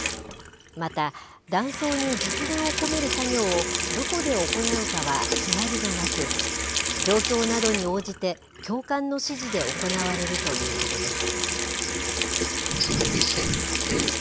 また、弾倉に実弾を込める作業をどこで行うかは決まりがなく、状況などに応じて、教官の指示で行われるということです。